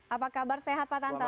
apa kabar sehat pak tanto